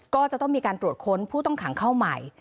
ก็จะต้องมีการตรวจค้นผู้ต้องขังเข้าใหม่